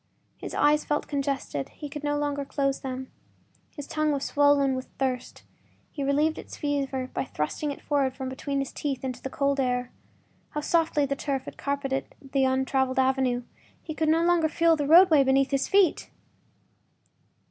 His eyes felt congested; he could no longer close them. His tongue was swollen with thirst; he relieved its fever by thrusting it forward from between his teeth into the cold air. How softly the turf had carpeted the untraveled avenue—he could no longer feel the roadway beneath his feet!